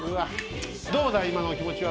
どうだ今の気持ちは。